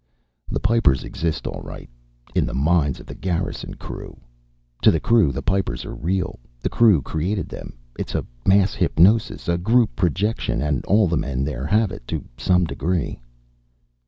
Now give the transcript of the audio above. "The Pipers exist, all right in the minds of the Garrison crew! To the crew, the Pipers are real. The crew created them. It's a mass hypnosis, a group projection, and all the men there have it, to some degree."